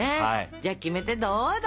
じゃあキメテどうぞ！